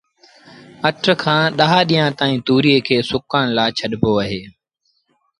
اَٺ کآݩ ڏآه ڏيݩهآݩ تائيٚݩ تُويئي کي سُڪڻ لآ ڇڏبو اهي